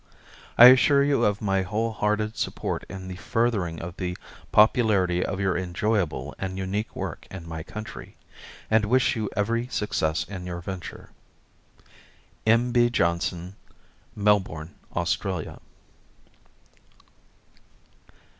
I assure you of my whole hearted support in the furthering of the popularity of your enjoyable and unique work in my country, and wish you every success in your venture. M. B. Johnston, 237 Flinders Lane, Melbourne, Australia.